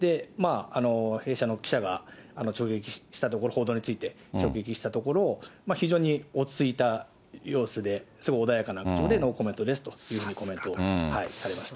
弊社の記者が直撃したところ、この報道について直撃したところ、非常に落ち着いた様子で、すごい穏やかな口調で、ノーコメントですというコメントをされました。